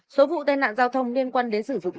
số vụ tai nạn giao thông liên quan đến sử dụng